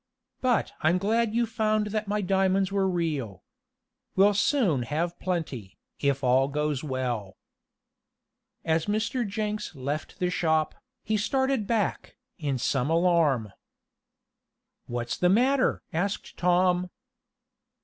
"But I'm glad you found that my diamonds were real. We'll soon have plenty, if all goes well." As Mr. Jenks left the shop, he started back, in some alarm. "What's the matter?" asked Tom.